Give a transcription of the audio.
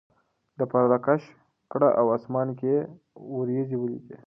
ده پرده کش کړه او اسمان کې یې وریځې ولیدې.